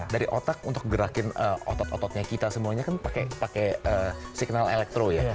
dari otak untuk gerakin otot ototnya kita semuanya kan pakai signal elektro ya